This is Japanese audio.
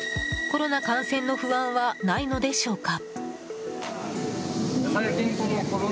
コロナ感染の不安はないのでしょうか？